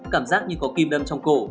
cảm giác như có kim đâm trong cổ